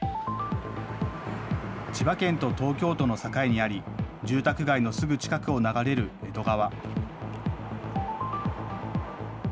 千葉県と東京都の境にあり住宅街のすぐ近くを流れる江戸川。